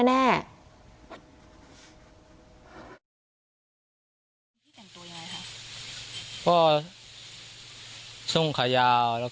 พี่แต่งตัวอย่างไรคะ